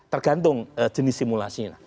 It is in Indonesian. tergantung jenis simulasi